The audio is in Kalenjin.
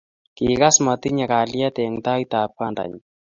kigaas matinye kalyet eng tautab kwandanyi